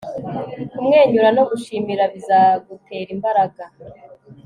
kumwenyura no gushimira bizagutera imbaraga